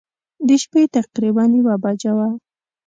د شپې تقریباً یوه بجه وه.